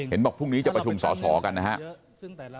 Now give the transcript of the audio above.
เห็นบอกว่าพรุ่งนี้จะประทุ่มส่อกันนะฮะ